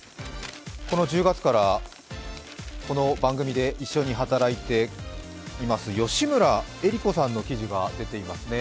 この１０月からこの番組で一緒に働いています吉村恵里子さんの記事が出ていますね。